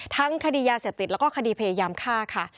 คดียาเสพติดแล้วก็คดีพยายามฆ่าค่ะ